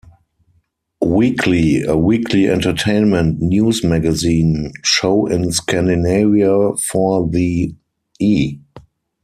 Weekly, a weekly entertainment news magazine show in Scandinavia for the E!